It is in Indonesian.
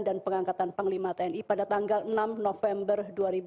dan pengangkatan panglima tni pada tanggal enam november dua ribu dua puluh satu